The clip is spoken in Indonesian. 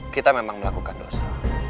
kita memang melakukan dosa